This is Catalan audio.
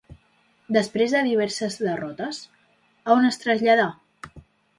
Després de diverses derrotes, a on es traslladà?